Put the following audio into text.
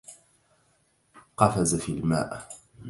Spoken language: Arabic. قفز في الماء.